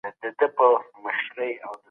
د سولي تړونونه باید په صادقانه ډول پلي سي.